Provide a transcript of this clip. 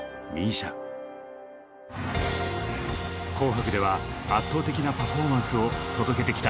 「紅白」では圧倒的なパフォーマンスを届けてきた！